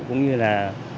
cũng như là